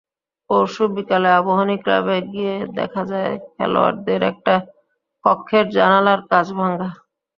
পরশু বিকেলে আবাহনী ক্লাবে গিয়ে দেখা যায় খেলোয়াড়দের একটা কক্ষের জানালার কাচ ভাঙা।